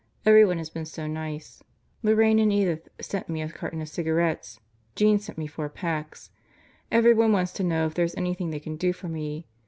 Everyone has been so nice. Lorraine and Edith sent me a carton of cigarettes. Jean sent me four packs. Everyone wants to know if there is anything they can do for me.